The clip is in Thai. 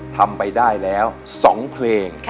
ทำไปได้แล้ว๒เพลง